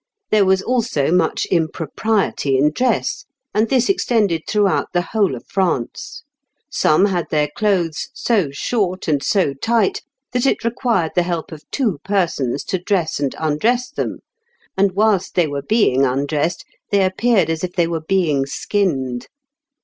There was also much impropriety in dress, and this extended throughout the whole of France. Some had their clothes so short and so tight that it required the help of two persons to dress and undress them, and whilst they were being undressed they appeared as if they were being skinned.